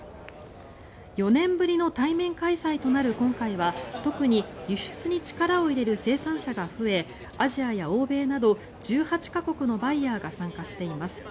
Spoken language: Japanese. ４年ぶりの対面開催となる今回は特に輸出に力を入れる生産者が増えアジアや欧米など１８か国のバイヤーが参加しています。